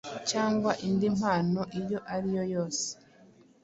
cyangwa indi mpano iyo ariyo yose